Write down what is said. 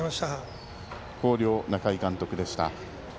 広陵、中井監督でした。